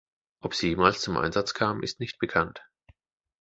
Ob sie jemals zum Einsatz kam, ist nicht bekannt.